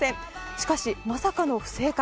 しかし、まさかの不正解。